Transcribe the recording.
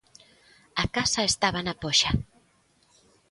A casa estaba na poxa.